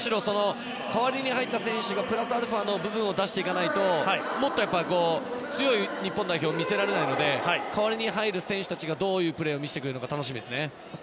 代わりに入った選手がプラスアルファの動きをしないと日本代表の良さが見せられないので代わりに入る選手たちがどういうプレーを見せてくれるか楽しみですね。